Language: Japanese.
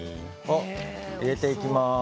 入れていきます。